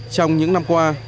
trong những năm qua